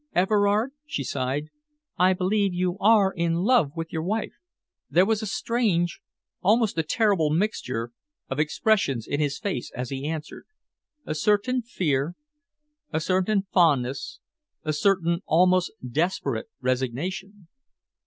"Everard," she sighed, "I believe you are in love with your wife." There was a strange, almost a terrible mixture of expressions in his face as he answered, a certain fear, a certain fondness, a certain almost desperate resignation.